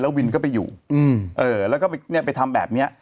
วินก็ไปอยู่แล้วก็ไปทำแบบนี้